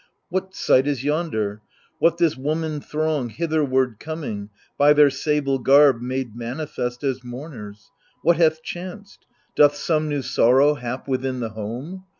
What sight is yonder ? what this woman throng Hitherward coming, by their sable garb Made manifest as mourners ? What hath chanced ? Doth some new sorrow hap within the home